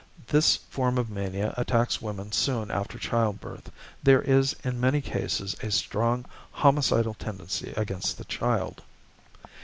= This form of mania attacks women soon after childbirth. There is in many cases a strong homicidal tendency against the child.